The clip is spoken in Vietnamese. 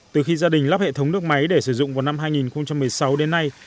từ khi gia đình lắp hệ thống nước máy để sử dụng vào năm hai nghìn một mươi sáu đến nay